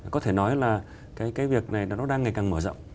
có thể nói là cái việc này nó đang ngày càng mở rộng